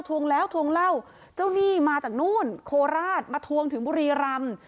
วงแล้วทวงเล่าเจ้าหนี้มาจากนู่นโคราชมาทวงถึงบุรีรำ